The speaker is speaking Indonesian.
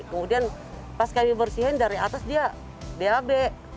kemudian pas kami bersihin dari atas dia d a b